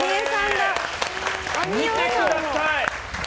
見てください！